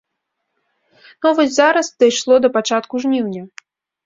Ну а вось зараз дайшло да пачатку жніўня.